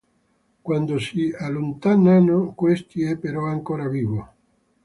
Quando si allontanano, questi è però ancora vivo.